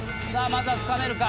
まずは掴めるか？